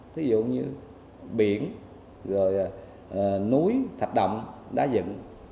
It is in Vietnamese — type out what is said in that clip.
thí dụ như biển rồi núi thạch động đá dựng